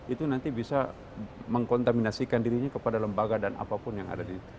itu nanti bisa mengkontaminasikan dirinya kepada lembaga dan apapun yang ada di